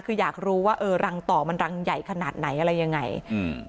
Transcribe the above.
คืออยากรู้ว่าเออรังต่อมันรังใหญ่ขนาดไหนอะไรยังไงอืม